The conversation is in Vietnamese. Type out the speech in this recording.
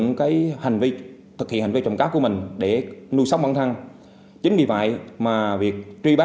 gây khó khăn trong công tác điều tra